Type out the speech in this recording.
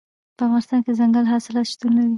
په افغانستان کې دځنګل حاصلات شتون لري.